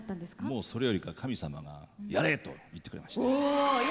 もうそれよりか神様が「やれ！」と言ってくれました。